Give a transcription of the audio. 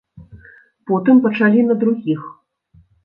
Потым пачалі на другіх.